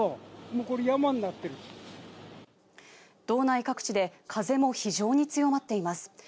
道内各地で風も非常に強まっています。